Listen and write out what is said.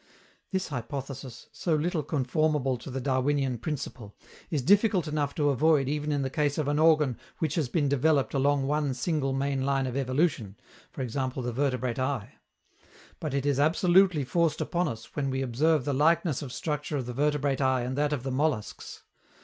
This hypothesis, so little conformable to the Darwinian principle, is difficult enough to avoid even in the case of an organ which has been developed along one single main line of evolution, e.g. the vertebrate eye. But it is absolutely forced upon us when we observe the likeness of structure of the vertebrate eye and that of the molluscs.